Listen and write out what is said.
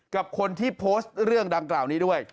กับคนที่โพสต์เรื่องดังกล่าวนี้ด้วย